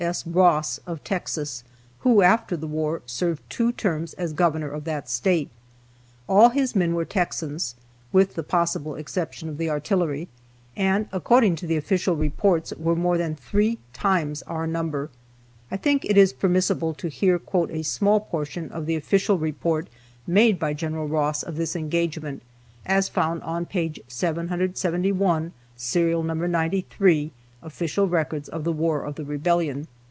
S. Ross of Texas, who, after the war, served two terms as governor of that State. All his men were Texans, (with the possible exception of the artillery,) and, according to the official reports, were more than three times our number. I think it is permissible to here quote a small portion of the official report made by Gen. Ross of this engagement, as found on page 771, Serial No. 93, Official Records of the War of the Rebellion.